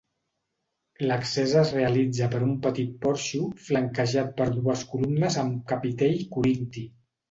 L'accés es realitza per un petit porxo flanquejat per dues columnes amb capitell corinti.